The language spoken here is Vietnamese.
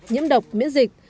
nhiễm độc miễn dịch